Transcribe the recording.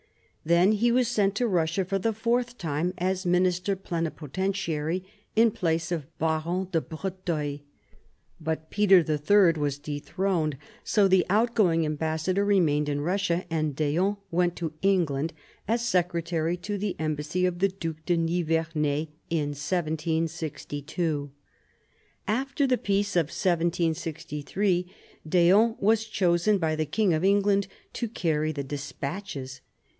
Then he was sent to Russia for the fourth time as minister plenipotentiary in place of Baron de Breuteuil. But Peter III was dethroned, so the out going Ambassador remained in Russia, and d'Eon went to England as secretary to the Embassy of the Duke de Nivernais in 1762. After the Peace of 1763 d'Eon was chosen by the King of England to carry the despatches.